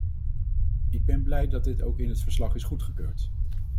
Ik ben blij dat dit ook in het verslag is goedgekeurd.